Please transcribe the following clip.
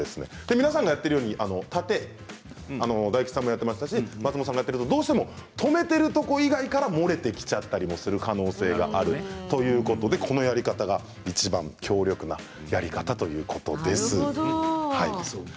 皆さんがやってるように大吉さんもやっていましたし松本さんがやっていたところは留めてるところ以外から漏れてしまう可能性があるということでこのやり方がいちばん強力なやり方ということです。